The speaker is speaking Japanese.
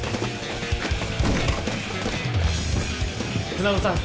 船田さん